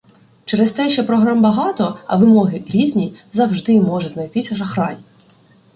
Через те, що програм багато, а вимоги різні, завжди може знайтися шахрай